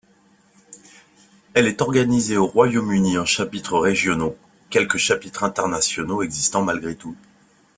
Elle est organisée au Royaume-Uni en chapitres régionaux, quelques chapitres internationaux existant malgré tout.